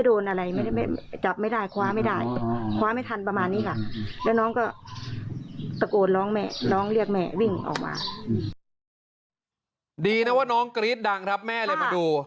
ดีนะว่าน้องกรี๊ดดังครับแม่เลยมาดู